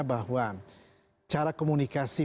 bahwa cara komunikasi